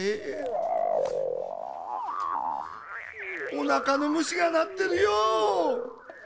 おなかのむしがなってるよ！